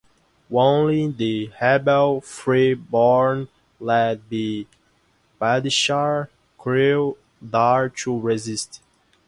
Only the rebel Free-born, led by Padishar Creel, dare to resist.